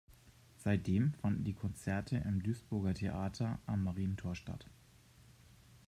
Seitdem fanden die Konzerte im Duisburger Theater am Marientor statt.